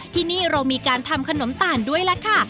ที่นี่เรามีการทำขนมตาลด้วยล่ะค่ะ